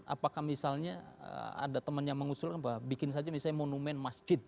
apakah misalnya ada teman yang mengusulkan bahwa bikin saja misalnya monumen masjid